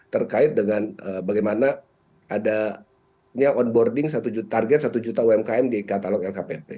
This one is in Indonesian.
terkait dengan bagaimana adanya target satu juta umkm di katalog lkpp